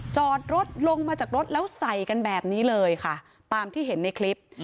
จอดรถลงมาจากรถแล้วใส่กันแบบนี้เลยค่ะตามที่เห็นในคลิป